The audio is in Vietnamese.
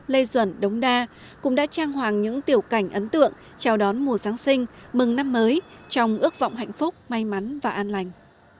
lê duẩn đống đa cũng đã trang hoàng những tiểu cảnh ấn tượng chào đón mùa giáng sinh mừng năm mới trong ước vọng hạnh phúc may mắn và an lành